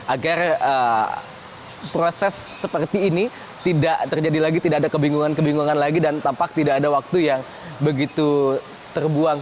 agar proses seperti ini tidak terjadi lagi tidak ada kebingungan kebingungan lagi dan tampak tidak ada waktu yang begitu terbuang